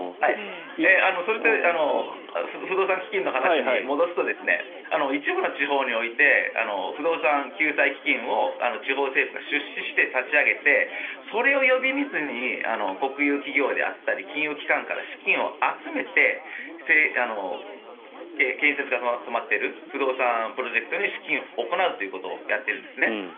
それと、不動産基金の話に戻すと一部の地方において不動産救済基金を地方政府が出資して立ち上げてそれを呼び水に国有企業や金融機関から資金を集めて建設が止まっている不動産プロジェクトに資金入れを行うということをやっているんですね。